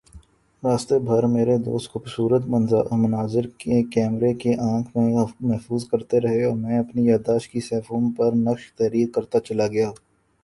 راستے بھر میں میرے دوست خوبصورت مناظر کیمرے کی آنکھ میں محفوظ کرتے رہے اور میں اپنی یادداشت کے صفحوں پر نقش تحریر کرتاچلا گیا